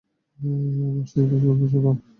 Mercedes দ্রুত চলে।